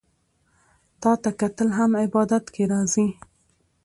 تاته کتل هم عبادت کی راځي